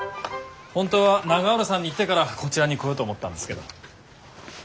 本当は永浦さんに言ってからこちらに来ようと思ったんですけど。